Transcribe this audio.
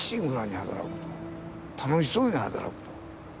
楽しそうに働くと。